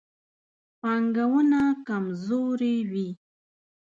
پانګونه کمزورې وي.